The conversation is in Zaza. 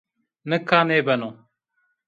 Nika nêbeno